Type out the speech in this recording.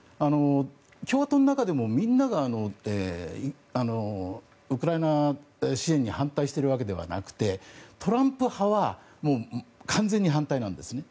共和党の中でもみんながウクライナ支援に反対しているわけではなくてトランプ派は完全に反対なんですね。